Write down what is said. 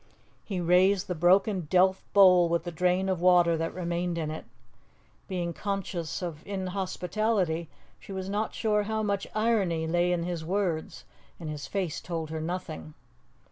He raised the broken delf bowl with the drain of water that remained in it. Being conscious of inhospitality, she was not sure how much irony lay in his words, and his face told her nothing.